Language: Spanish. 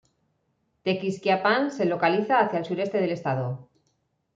Tequisquiapan se localiza hacia el sureste del estado.